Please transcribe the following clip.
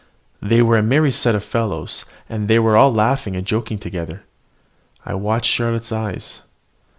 They are a merry set of fellows, and they were all laughing and joking together. I watched Charlotte's eyes.